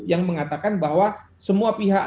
yang mengatakan bahwa semua pihak